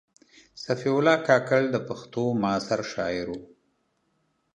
صفي الله کاکړ د پښتو معاصر شاعر و.